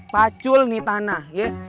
pacul nih tanah ya